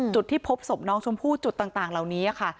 จุดที่พบศพน้องชมพู่จุดต่างเหล่านี้ค่ะ